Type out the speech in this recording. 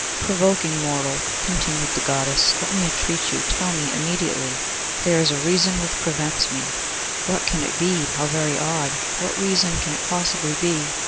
'Provoking mortal!' continued the Goddess. 'Let me entreat you; tell me immediately.' 'There is a reason which prevents me.' 'What can it be? How very odd! What reason can it possibly be?